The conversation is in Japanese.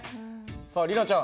さあ里奈ちゃん